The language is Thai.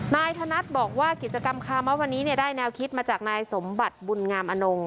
นายธนัดบอกว่ากิจกรรมคามะวันนี้ได้แนวคิดมาจากนายสมบัติบุญงามอนง